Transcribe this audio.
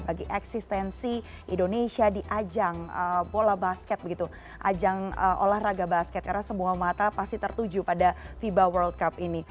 bagi eksistensi indonesia di ajang bola basket begitu ajang olahraga basket karena semua mata pasti tertuju pada fiba world cup ini